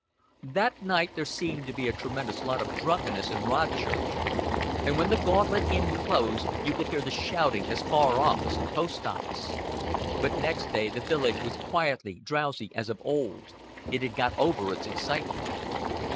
That night there seemed to be a tremendous lot of drunkenness in Rodchurch, and when the Gauntlet Inn closed you could hear the shouting as far off as the post office. But next day the village was quietly drowsy as of old: it had got over its excitement.